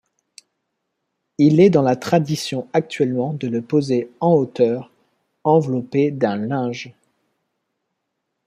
Il est dans la tradition actuellement de le poser en hauteur, enveloppé d'un linge.